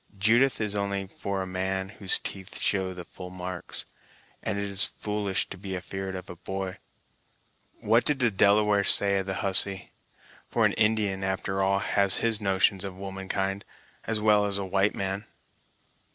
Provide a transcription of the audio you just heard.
Judith is only for a man whose teeth show the full marks, and it's foolish to be afeard of a boy. What did the Delawares say of the hussy? for an Indian, after all, has his notions of woman kind, as well as a white man."